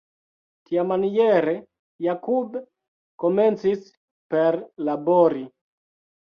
Tiamaniere Jakub komencis perlabori.